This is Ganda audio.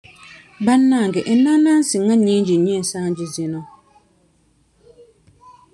Bannange enaanaansi nga nnyingi nnyo ensangi zino?